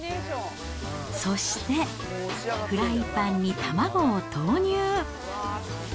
そして、フライパンに卵を投入。